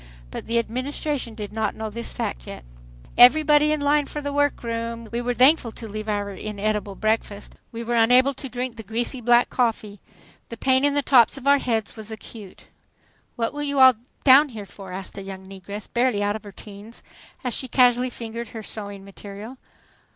But the Administration did not know this fact yet. "Everybody in line for the work room!" We were thankful to leave our inedible breakfast. We were unable to drink the greasy black coffee. The pain in the tops of our heads was acute. "What you all down here for?" asked a young negress, barely out of her teens, as she casually fingered her sewing material.